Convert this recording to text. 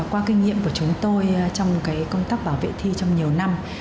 qua kinh nghiệm của chúng tôi trong công tác bảo vệ thi trong nhiều năm